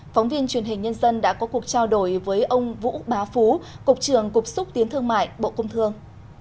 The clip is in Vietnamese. phóng viên truyền hình nhân dân đã có cuộc trao đổi với ông vũ bá phú cục trưởng cục xúc tiến thương mại bộ công thương